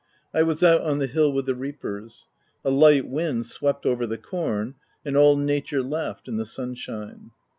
I was out on the hill with the reapers. A light wind swept over the corn ; and all nature laughed in the sunshine.